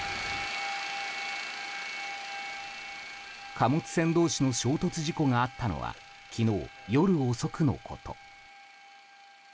貨物船同士の衝突事故があったのは昨日夜遅くのこと。